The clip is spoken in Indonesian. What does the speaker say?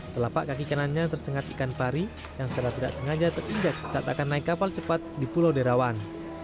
telapak kaki kanannya tersengat ikan pari yang secara tidak sengaja terinjak saat akan naik kapal cepat di pulau derawan